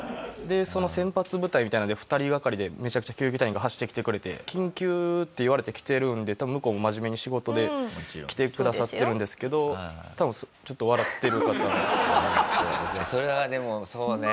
その先発部隊みたいなので２人がかりでめちゃくちゃ救急隊員が走ってきてくれて緊急って言われて来てるんで向こうも真面目に仕事で来てくださってるんですけど多分それはでもそうね。